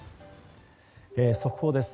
速報です。